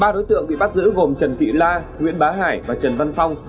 ba đối tượng bị bắt giữ gồm trần thị la nguyễn bá hải và trần văn phong